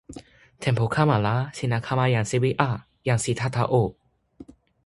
tenpo kama la sina kama jan sewi a, jan Sitata o!